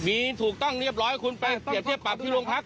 มีถูกต้องเรียบร้อยคุณไปเปรียบเทียบปรับที่โรงพัก